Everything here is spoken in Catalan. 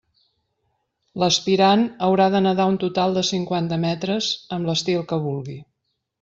L'aspirant haurà de nedar un total de cinquanta metres amb l'estil que vulgui.